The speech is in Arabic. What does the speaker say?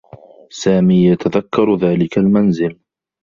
سامي يتذكّر ذلك المنزل.